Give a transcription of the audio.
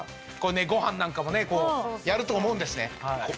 ご飯なんかもやると思うんですね。